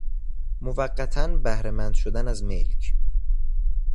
موقتا بهرهمند شدن از ملک